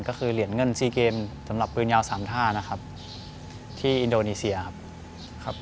ก็คือเหรียญเงิน๔เกมสำหรับปืนยาวสามท่านะครับที่อินโดนีเซียครับครับ